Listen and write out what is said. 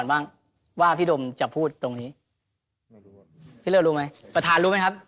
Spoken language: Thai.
พลังว่าพี่โดมจะพูดตรงนี้รู้ไหมประทานรู้ไหมครับ